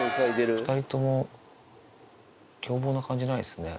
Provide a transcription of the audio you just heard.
２人とも凶暴な感じないですね。